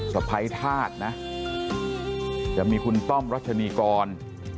สะพ้ายธาตุนะจะมีคุณต้อมรัชนีกร